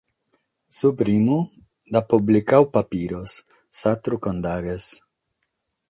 Su primu l’at publicadu Papiros, s’àteru Condaghes.